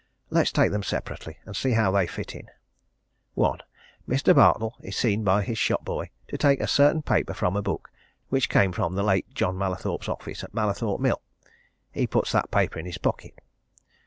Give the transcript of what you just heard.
Let's take them separately and see how they fit in. "1. Mr. Bartle is seen by his shop boy to take a certain paper from a book which came from the late John Mallathorpe's office at Mallathorpe Mill. He puts that paper in his pocket.